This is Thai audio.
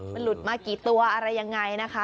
มันหลุดมากี่ตัวอะไรยังไงนะคะ